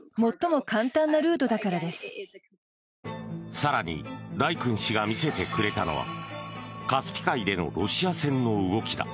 更にダイクン氏が見せてくれたのがカスピ海でのロシア船の動きだ。